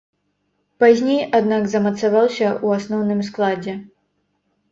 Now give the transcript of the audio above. Пазней, аднак, замацаваўся ў асноўным складзе.